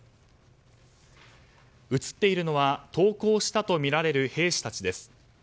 映っているのは投降したとみられる兵士たちです。